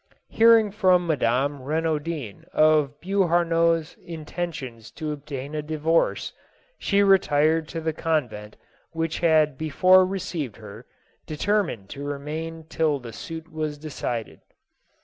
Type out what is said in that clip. Hearing from Madame Renaudin of Beauharnois1 intentions to obtain a divorce, she retired to the con vent which had before received her, determined to re main till the suit was decided.